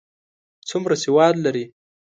څومره سواد لري؟